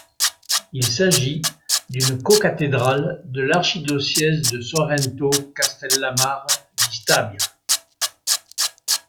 Il s'agit d'une cocathédrale de l'archidiocèse de Sorrento-Castellammare di Stabia.